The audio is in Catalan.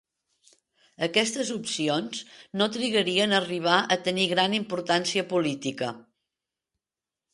Aquestes opcions no trigarien a arribar a tenir gran importància política.